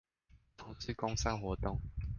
從事工商活動